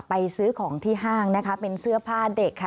ซื้อของที่ห้างนะคะเป็นเสื้อผ้าเด็กค่ะ